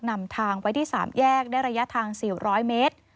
นำทางไว้ที่๓แยกได้ระยะทาง๔๐๐เมตร